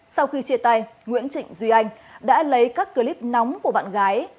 sau khi chia tay nguyễn trịnh duy anh đã lấy các clip nóng của bạn gái